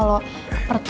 ya itu pernah